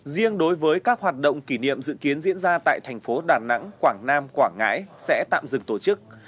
riêng đối với các hoạt động kỷ niệm dự kiến diễn ra tại thành phố đà nẵng quảng nam quảng ngãi sẽ tạm dừng tổ chức